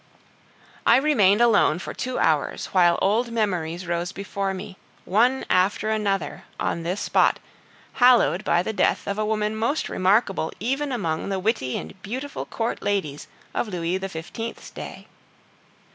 I remained alone for two hours, while old memories rose before me, one after another, on this spot, hallowed by the death of a woman most remarkable even among the witty and beautiful Court ladies of Louis XV.'s day.